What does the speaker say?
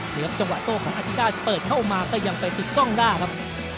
เนี่ยครับจังหวะโต้ของอาทิตยาเปิดเข้ามาก็ยังไปติดกล้องได้ครับ